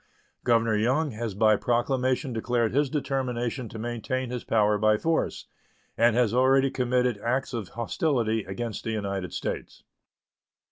Governor Young has by proclamation declared his determination to maintain his power by force, and has already committed acts of hostility against the United States.